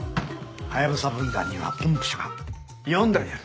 ハヤブサ分団にはポンプ車が４台ある。